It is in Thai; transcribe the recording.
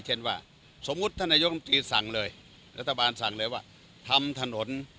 เช่นว่าสมมุติธนโยคมจีนสั่งเลยรัฐบาลสั่งเลยว่าทำถนน